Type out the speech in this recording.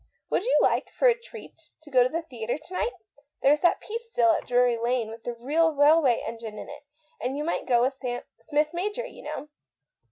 " Would you like, for a treat, to go to the theatre to night ? There's that new piece at Drury Lane with the real railway engine in it, and you might go with Smith major, you know."